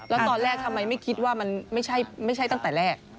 แล้วตอนแรกทำไมไม่คิดว่ามันไม่ใช่ตั้งแต่แรก